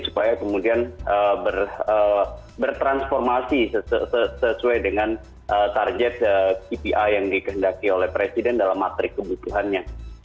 supaya kemudian bertransformasi sesuai dengan target kpi yang dikehendaki oleh presiden dalam matrik kebutuhannya